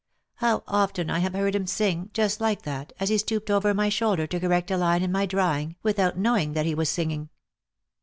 How often I have heard him sing, just like that, as he stooped over my shoulder to correct a Mne in my drawing, without knowing that he was singing!"